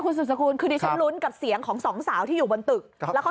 คุณสุดท้ายคุณคือที่ฉันลุ้นกับเสียงของสองสาวที่อยู่บนตึก